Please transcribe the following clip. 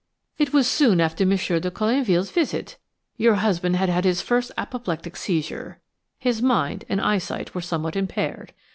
It was soon after M. de Colinville's visit. Your husband had had his first apoplectic seizure; his mind and eyesight were somewhat impaired.